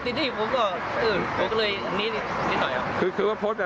แล้วก็พบประคุกคนเยอะ